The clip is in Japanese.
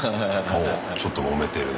おおちょっともめてるね。